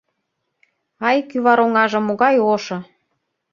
Ай, кӱвар оҥаже могай ошо!